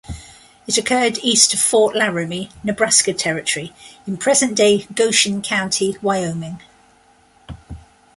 It occurred east of Fort Laramie, Nebraska Territory, in present-day Goshen County, Wyoming.